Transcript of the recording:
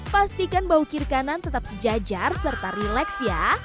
pastikan bau kiri kanan tetap sejajar serta rileks ya